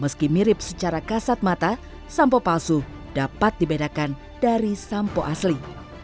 meski mirip secara kasat mata sampo palsu dapat dibedakan dari sampo asli